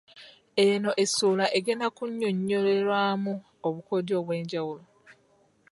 Eno essuula egenda kunnyonnyolerwamu obukodyo obw’enjawulo.